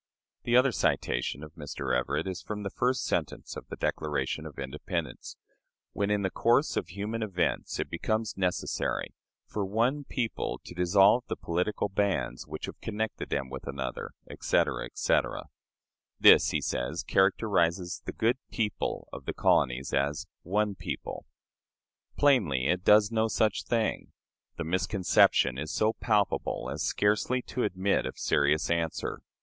The other citation of Mr. Everett is from the first sentence of the Declaration of Independence: "When in the course of human events it becomes necessary for one people to dissolve the political bands which have connected them with another," etc., etc. This, he says, characterizes "the good people" of the colonies as "one people." Plainly, it does no such thing. The misconception is so palpable as scarcely to admit of serious answer.